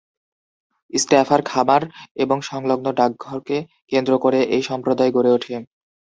Stauffer খামার এবং সংলগ্ন ডাকঘরকে কেন্দ্র করে এই সম্প্রদায় গড়ে ওঠে।